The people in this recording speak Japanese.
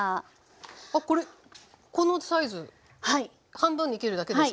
半分に切るだけですか？